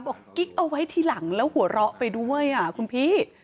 กิ๊กเอาไว้ทีหลังแล้วหัวเราะไปด้วยคุณพี่